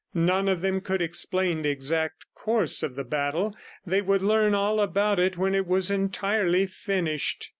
None of them could explain the exact course of the battle; they would learn all about it when it was entirely finished.